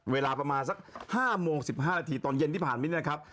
เวลาประมาณสัก๕โมง๑๕นาทีตอนเย็นที่ผ่านมานะครับ